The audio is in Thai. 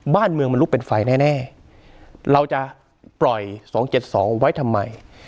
บ้านเมืองมันลุกเป็นไฟแน่เราจะปล่อย๒๗๒ไว้ทำไม